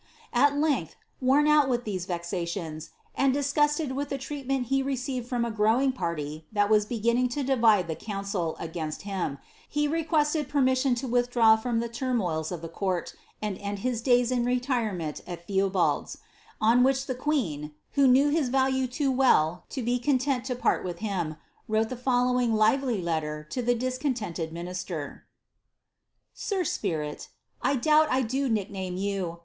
At length, worn pot with these vexations, and disgusted with the treatment he received irom a growing party that was beginning to divide the council against him, he requested permission to withdraw from the turmoils of the eoort, and end his days in retirement at Theobalds ; on which the qoeen« who knew his value too well to be content to part with him, wrote the ibllowing lively letter to the discontented minister :— "Sir Spirit, " I doubt I do nick name you.